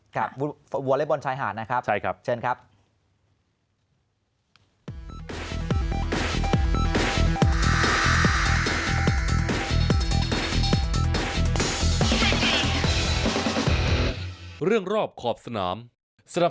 ครับวอเล็กบอลชายหาดนะครับใช่ครับเชิญครับ